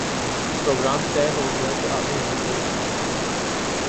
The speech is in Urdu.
پروگرام طے ہو گیا کہ آدھےگھنٹے میں نکلنا ہے